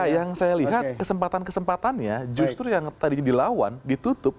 yang saya lihat kesempatan kesempatannya justru yang tadinya dilawan ditutup